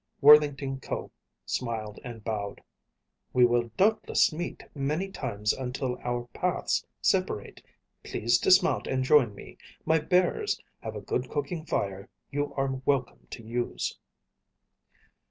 Worthington Ko smiled and bowed. "We will doubtless meet many times until our paths separate. Please dismount and join me. My bearers have a good cooking fire you are welcome to use."